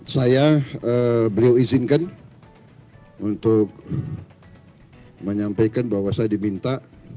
saya beliau izinkan untuk menyampaikan bahwa saya diminta